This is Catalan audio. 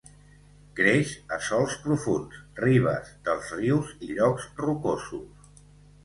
Creix a sòls profunds, ribes dels rius i llocs rocosos.